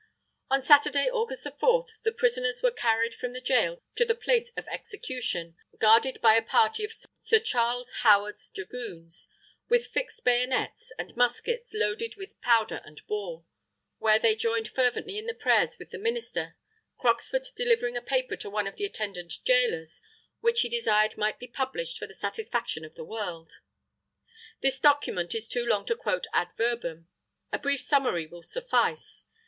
On Saturday August 4th, the prisoners were carried from the jail to the place of execution, guarded by a party of Sir Charles Howard's Dragoons with fixed bayonets and muskets loaded with powder and ball, where they joined fervently in the prayers with the minister, Croxford delivering a paper to one of the attendant gaolers, which he desired might be published for the satisfaction of the world. This document is too long to quote ad verbum; a brief summary will suffice.